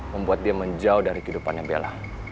membuat dia menjauh dari kehidupannya bella